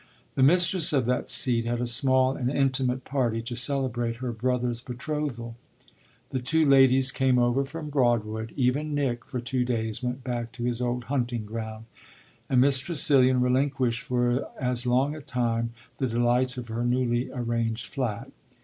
The mistress of that seat had a small and intimate party to celebrate her brother's betrothal. The two ladies came over from Broadwood; even Nick, for two days, went back to his old hunting ground, and Miss Tressilian relinquished for as long a time the delights of her newly arranged flat.